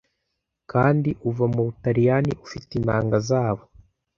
kandi uva mu butaliyani ufite inanga zabo